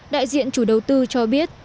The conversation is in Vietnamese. đại diện chủ đầu tư cho biết